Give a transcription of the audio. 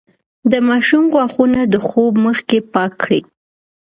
د ماشوم غاښونه د خوب مخکې پاک کړئ.